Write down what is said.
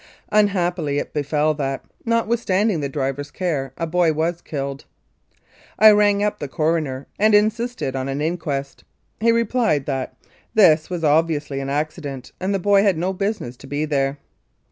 Unhappily it befell that, notwithstanding the driver's care, a boy was killed. I rang up the coroner and insisted on an inquest. He replied that "this was obviously an accident, and the boy had no business to be there."